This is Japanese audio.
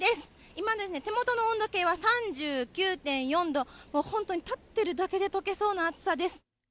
今の手元の温度計は３９．４度、もう本当に立ってるだけでとけそうな暑さです。